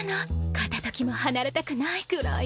片時も離れたくないくらいよ。